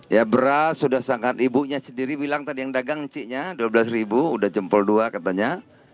ya beras sudah sangat ibunya sendiri bilang tadi yang dagang ciknya rp dua belas ribu sudah jempol dua katanya